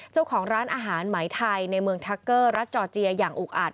เจ้าของร้านอาหารไหมไทยในเมืองทักเกอร์รัฐจอร์เจียอย่างอุกอัด